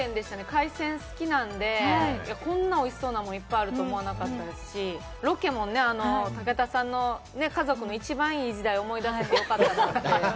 海鮮好きなんで、こんなおいしそうなもんがいっぱいあると思わなかったですし、ロケもね、武田さんの家族の一番いい時代を思い出せてよかったです。